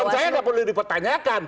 jadi saya tidak boleh dipertanyakan